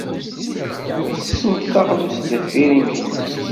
Ttessent taɣlust deffir yimekli.